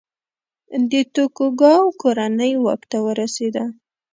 د توکوګاوا کورنۍ واک ته ورسېده.